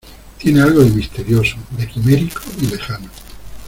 tienen algo de misterioso, de quimérico y lejano